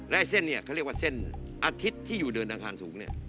และเส้นเนี่ยเขาเรียกว่าเส้นอาทิตย์ที่อยู่เดินอังคารสูงเนี่ย